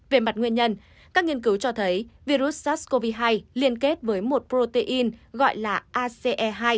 về mặt nguyên nhân các nghiên cứu cho thấy virus sars cov hai liên kết với một protein gọi là ace hai